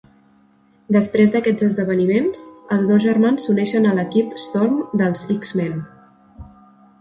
Després d'aquests esdeveniments, els dos germans s'uneixen a l'equip "Storm" dels "X-Men".